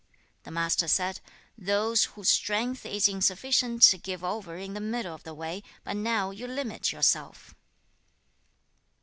The Master said, 'Those whose strength is insufficient give over in the middle of the way but now you limit yourself.'